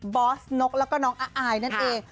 อสนกแล้วก็น้องอายนั่นเอง